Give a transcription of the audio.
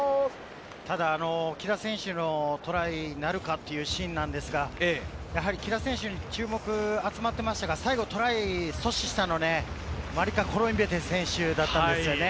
木田選手のトライなるかというシーンなんですが、やはり木田選手に注目が集まっていましたが、最後にトライ阻止したのはね、マリカ・コロインベテ選手だったんですよね。